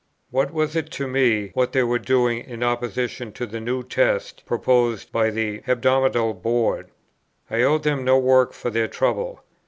What was it to me what they were now doing in opposition to the New Test proposed by the Hebdomadal Board? I owed them no thanks for their trouble.